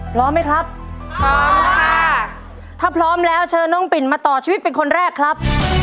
พร้อมไหมครับพร้อมค่ะถ้าพร้อมแล้วเชิญน้องปิ่นมาต่อชีวิตเป็นคนแรกครับ